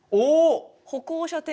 歩行者天国。